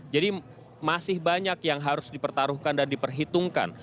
jadi masih banyak yang harus dipertaruhkan dan diperhitungkan